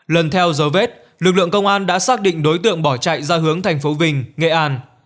lần theo dấu vết lực lượng công an đã xác định đối tượng bỏ chạy ra hướng thành phố vinh nghệ an